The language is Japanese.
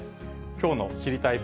きょうの知りたいッ！